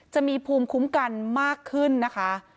จะมีภูมิคุ้มกันมากขึ้นนะคะ